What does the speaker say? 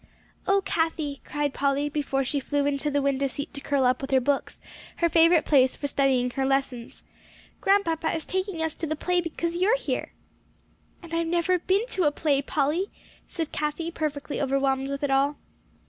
"Oh, Cathie," cried Polly, before she flew into the window seat to curl up with her books, her favorite place for studying her lessons, "Grandpapa is taking us to the play because you are here." "And I've never been to a play, Polly," said Cathie, perfectly overwhelmed with it all.